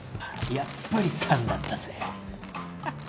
やっぱり３だったぜはははっ。